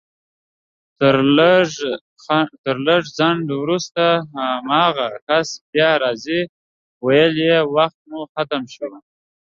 تر لږ ځنډ وروسته هماغه کس بيا راغی ويل يې وخت مو ختم شو